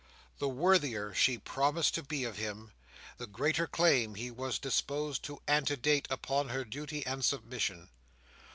The worthier she promised to be of him, the greater claim he was disposed to antedate upon her duty and submission.